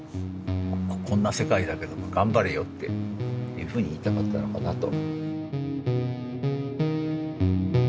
こんな世界だけども頑張れよ」っていうふうに言いたかったのかなと。